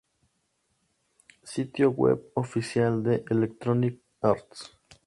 Sitio Web oficial de Electronic Arts